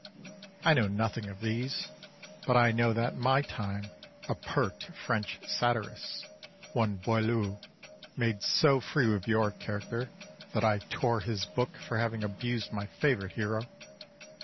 Charles. I know nothing of these; but I know that in my time a pert French satirist, one Boileau, made so free with your character, that I tore his book for having abused my favourite hero.